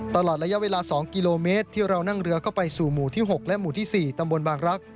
ตลอดระยะเวลา๒กิโลเมตรที่เรานั่งเรือเข้าไปสู่หมู่ที่๖และหมู่ที่๔ตำบลบางรักษ